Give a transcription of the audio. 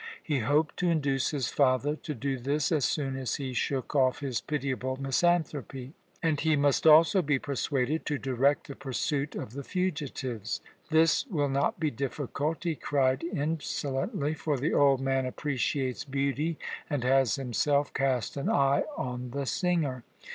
He hoped to induce his father to do this as soon as he shook off his pitiable misanthropy. And he must also be persuaded to direct the pursuit of the fugitives. "This will not be difficult," he cried insolently, "for the old man appreciates beauty, and has himself cast an eye on the singer.